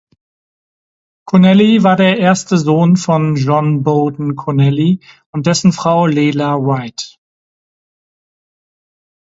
Connally war der erste Sohn von John Bowden Connally und dessen Frau Lela Wright.